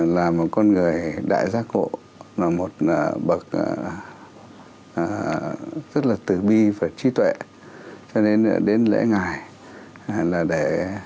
là một con người đại gia cổ là một bậc rất là tử bi và trí tuệ cho nên nữa đến lễ ngày là để